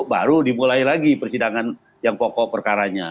baru dimulai lagi persidangan yang pokok perkaranya